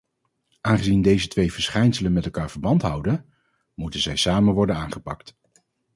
Aangezien deze twee verschijnselen met elkaar verband houden, moeten zij samen worden aangepakt.